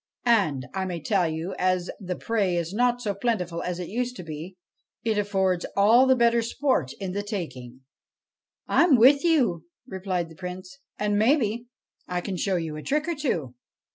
And, I may tell you, as the prey is not so plentiful as it used to be, it affords all the better sport in the taking.' ' I 'm with you,' replied the Prince, ' and, maybe, I can show you a trick or two.'